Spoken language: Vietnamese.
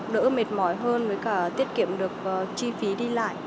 đỡ mệt mỏi hơn với cả tiết kiệm được chi phí đi lại